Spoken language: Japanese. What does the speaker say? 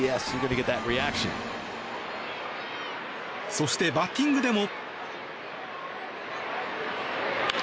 そして、バッティングでも。